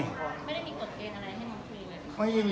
ไม่ได้มีกรดเกณฑ์อะไรให้มันมีไหม